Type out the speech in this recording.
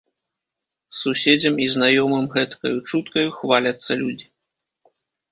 Суседзям і знаёмым гэткаю чуткаю хваляцца людзі.